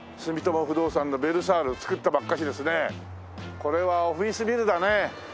これはオフィスビルだね。